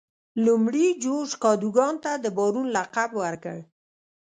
لومړي جورج کادوګان ته د بارون لقب ورکړ.